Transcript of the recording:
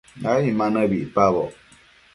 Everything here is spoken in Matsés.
ai ma nëbi icpaboc